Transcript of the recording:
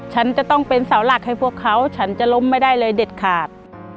ฉันจะต้องเป็นเสาหลักให้พวกเขาฉันจะล้มไม่ได้เลยเด็ดขาด